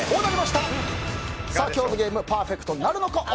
今日のゲームパーフェクトなるのか？